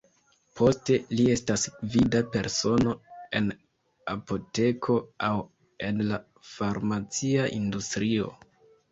Poste li estas gvida persono en apoteko aŭ en la farmacia industrio.